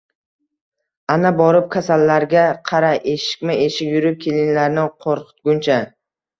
Ana, borib kasallarga qara, eshikma-eshik yurib kelinlarni qo`rqitguncha